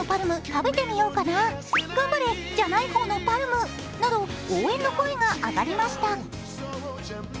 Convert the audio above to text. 食べてみようかな、頑張れ、じゃない方のＰＡＲＭなど応援の声が上がりました。